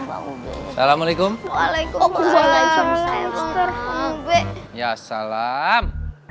assalamualaikum waalaikumsalam ya salam